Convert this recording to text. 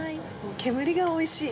煙がおいしい。